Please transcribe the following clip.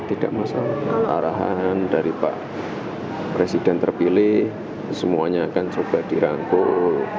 tidak masalah arahan dari pak presiden terpilih semuanya akan coba dirangkul